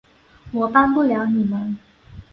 我帮不了你们